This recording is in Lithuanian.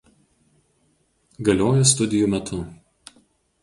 Galioja studijų metu.